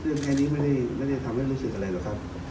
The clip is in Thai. แค่นี้ไม่ได้ทำให้รู้สึกอะไรหรอกครับ